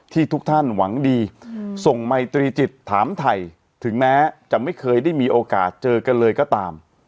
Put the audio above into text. ทุกท่านหวังดีส่งไมตรีจิตถามไทยถึงแม้จะไม่เคยได้มีโอกาสเจอกันเลยก็ตาม